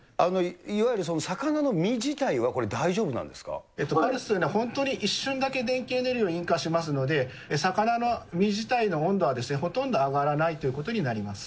いわゆる魚の身自体はこれ、パルスというのは、本当に一瞬だけ電気エネルギーを引火しますので、魚の身自体の温度はほとんど上がらないということになります。